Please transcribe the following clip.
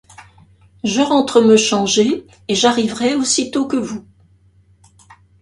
Je rentre me changer et j'arriverai aussitôt que vous.